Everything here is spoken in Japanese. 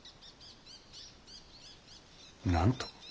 何と？